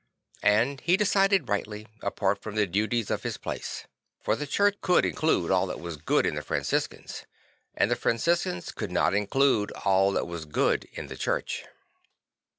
And he decided rightly, apart from the duties of his place; for the Church could include all that was good in the Franciscans and the Franciscans could not include all that was good in the Church.